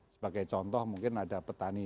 sebagai contoh mungkin ada petani